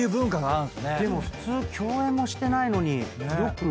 でも普通共演もしてないのによくね。